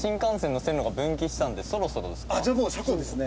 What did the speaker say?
じゃあもう車庫ですね。